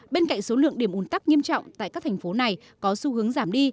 bên cạnh số lượng điểm ủn tắc nghiêm trọng tại các thành phố này có xu hướng giảm đi